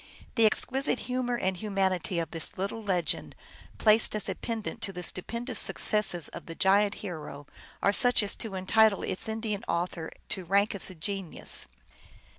The exquisite humor and humanity of this little legend, placed as a pendant to the stupendous successes of the giant hero, are such as to entitle its Indian author to rank as a genius.